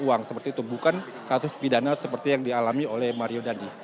uang seperti itu bukan kasus pidana seperti yang dialami oleh mario dandi